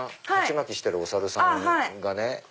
鉢巻きしてるお猿さんがね